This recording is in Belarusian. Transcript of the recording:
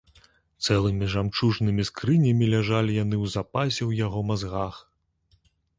Цэлымі жамчужнымі скрынямі ляжалі яны ў запасе ў яго мазгах.